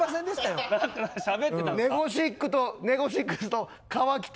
ネゴシックスと乾き亭